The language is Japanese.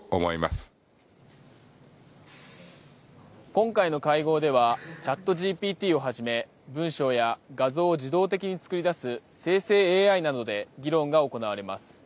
今回の会合ではＣｈａｔＧＰＴをはじめ文章や画像を自動的に作り出す生成ＡＩなどで議論が行われます。